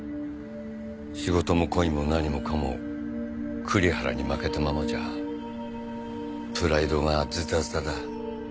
仕事も恋も何もかも栗原に負けたままじゃプライドがズタズタだ。